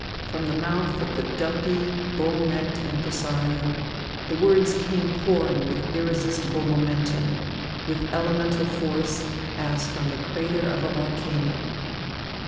From the mouth of the dumpy, bull necked impresario, the words came pouring with irresistible momentum, with elemental force, as from the crater of a volcano.